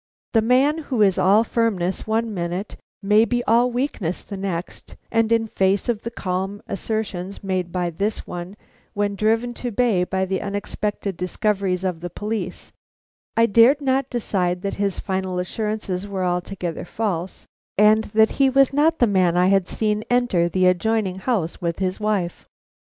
The man who is all firmness one minute may be all weakness the next, and in face of the calm assertions made by this one when driven to bay by the unexpected discoveries of the police, I dared not decide that his final assurances were altogether false, and that he was not the man I had seen enter the adjoining house with his wife.